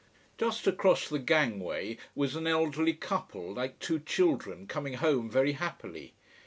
Just across the gangway was an elderly couple, like two children, coming home very happily.